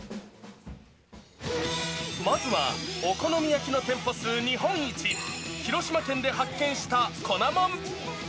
まずは、お好み焼きの店舗数日本一、広島県で発見した粉もん。